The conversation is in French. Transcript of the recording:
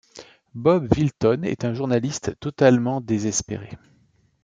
Bob Wilton est un journaliste totalement désespéré.